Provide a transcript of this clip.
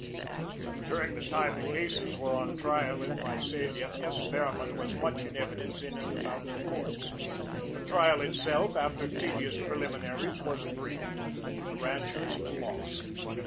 During the time the cases were on trial at Visalia, S. Behrman was much in evidence in and about the courts. The trial itself, after tedious preliminaries, was brief. The ranchers lost.